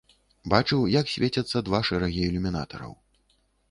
Бачыў, як свецяцца два шэрагі ілюмінатараў.